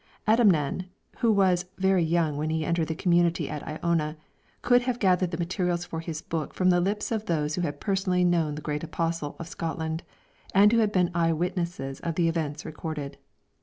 Adamnan, who was very young when he entered the community at Iona, could have gathered the materials for his book from the lips of those who had personally known the great Apostle of Scotland, and who had been eye witnesses of the events recorded.